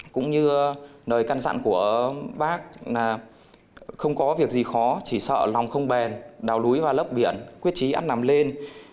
cũng như nơi căn dặn của bác là không có việc gì khó chỉ sợ lòng không bền đào lúi vào lớp biển quyết trí ăn nằm lên